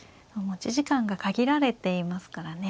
持ち時間が限られていますからね。